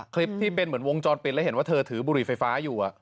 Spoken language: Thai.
คลิปที่เป็นเหมือนวงจรปิดแล้วเห็นว่าเธอถือบุหรี่ไฟฟ้าอยู่